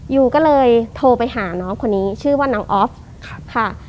ยูก็เลยโทรไปหาน้องคนนี้ชื่อว่าน้องออฟค่ะ